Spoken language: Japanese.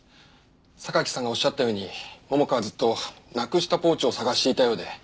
榊さんがおっしゃったように桃香はずっとなくしたポーチを捜していたようで。